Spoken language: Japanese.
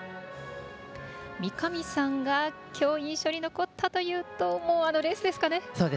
三上さんがきょう印象に残ったというとあのレースですかね？